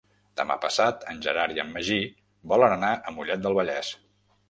Demà passat en Gerard i en Magí volen anar a Mollet del Vallès.